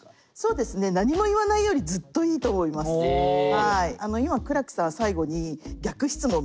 はい。